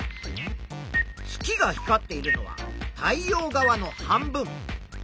月が光っているのは太陽側の半分。